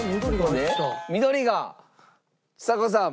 緑がちさ子さん。